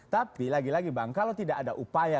tapi lagi lagi bang kalau tidak ada upaya